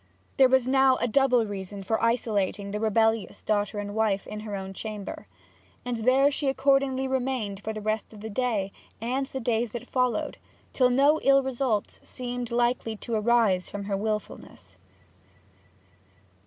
There was now a double reason for isolating the rebellious daughter and wife in her own chamber, and there she accordingly remained for the rest of the day and the days that followed; till no ill results seemed likely to arise from her wilfulness.